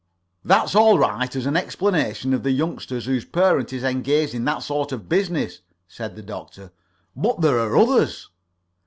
"That's all right as an explanation of the youngster whose parent is engaged in that sort of business," said the Doctor. "But there are others."